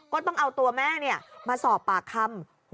ก็ต้องเอาตัวแม่มาสอบปากคำ